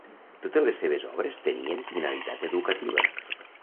Totes les seves obres tenien finalitat educativa.